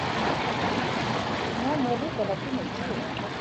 Ndipo walipokumbuka maelezo ya mwanajeshi aliyjeruhiwa na Jacob